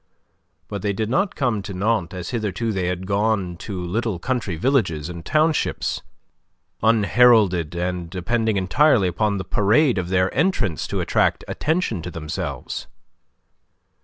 But they did not come to Nantes as hitherto they had gone to little country villages and townships, unheralded and depending entirely upon the parade of their entrance to attract attention to themselves.